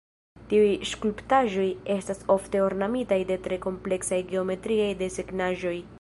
Tiuj skulptaĵoj estas ofte ornamitaj de tre kompleksaj geometriaj desegnaĵoj.